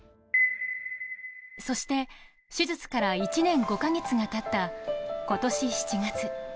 そして手術から１年５カ月がたった今年７月。